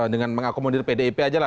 dengan mengakomodir pdip saja